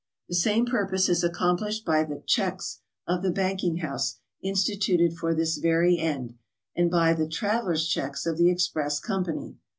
The same purpose is accomplished by the "cheques ' of the banking house instituted for this very end, and by the "travelers' cheques" of the express company.